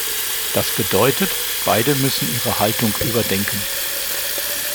Das bedeutet, beide müssen ihre Haltung überdenken.